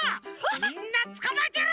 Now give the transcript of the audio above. みんなつかまえてやる！